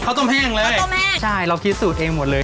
ต้มแห้งเลยข้าวต้มแห้งใช่เราคิดสูตรเองหมดเลย